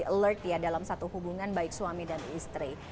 pertanyaan yang terbaik ya dalam satu hubungan baik suami dan istri